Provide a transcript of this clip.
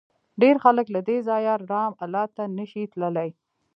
ډېر خلک له دې ځایه رام الله ته نه شي تللی.